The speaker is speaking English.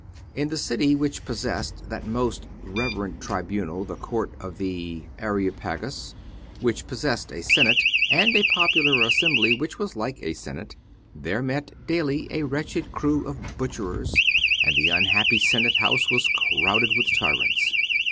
In the city which possessed that most reverend tribunal, the Court of the Areopagus, which possessed a Senate, and a popular assembly which was like a Senate, there met daily a wretched crew of butchers, and the unhappy Senate House was crowded with tyrants.